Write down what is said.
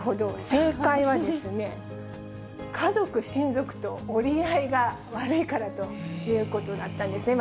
正解はですね、家族親族と折り合いが悪いからということだったんですね。